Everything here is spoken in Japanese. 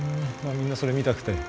みんなそれ見たくて。